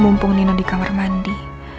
mumpung nino di kamar mandi